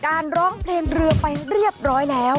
ร้องเพลงเรือไปเรียบร้อยแล้ว